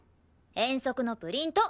遠足のプリント。